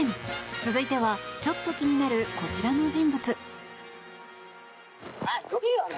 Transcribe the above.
続いてはちょっと気になるこちらの人物。